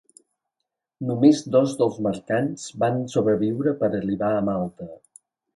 Només dos dels mercants van sobreviure per arribar a Malta.